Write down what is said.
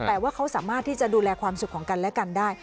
แต่ว่าเขาสามารถที่จะดูแลความสุขของกันและกันได้